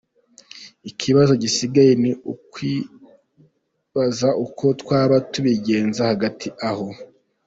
Ikibazo gisigaye ni ukwibaza uko twaba tubigenza hagati aho.”